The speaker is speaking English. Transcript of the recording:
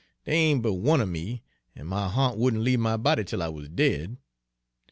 Dere ain' but one er me, an' my ha'nt wouldn' leave my body 'tel I wuz dead.